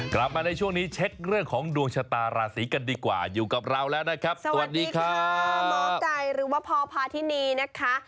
กลับมาในช่วงนี้เช็คเรื่องของดวงชะตาราศีกันดีกว่าอยู่กับเราแล้วนะครับสวัสดีค่ะหมอไก่หรือว่าพอพาทินีนะคะ